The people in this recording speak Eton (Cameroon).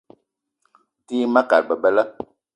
O te yi ma kat bebela.